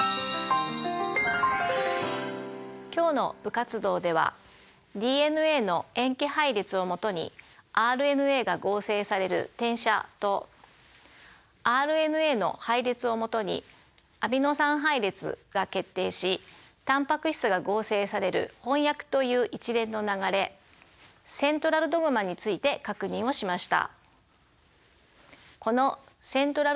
今日の部活動ではＤＮＡの塩基配列をもとにＲＮＡが合成される「転写」とＲＮＡの配列をもとにアミノ酸配列が決定しタンパク質が合成される「翻訳」という一連の流れ「セントラルドグマ」について確認をしました。